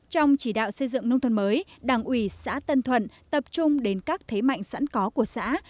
trong chỉ đạo xây dựng nông thôn mới đảng ủy xã tân thuận tập trung đến các thế mạnh sẵn có của xã